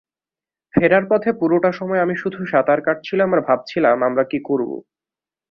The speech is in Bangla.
ফেরার পথে পুরোটা সময় আমি শুধু সাঁতার কাটছিলাম আর ভাবছিলাম আমরা কী করব।